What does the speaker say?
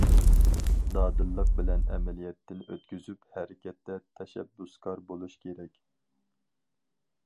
دادىللىق بىلەن ئەمەلىيەتتىن ئۆتكۈزۈپ، ھەرىكەتتە تەشەببۇسكار بولۇش كېرەك.